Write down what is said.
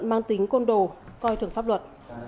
mang tính côn đồ coi thường pháp luật